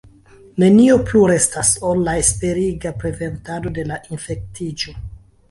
Nenio plu restas, ol la esperiga preventado de la infektiĝo.